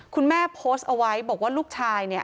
โพสต์เอาไว้บอกว่าลูกชายเนี่ย